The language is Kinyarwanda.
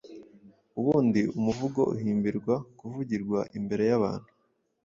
ubundi umuvugo uhimbirwa kuvugirwa imbere y’abantu;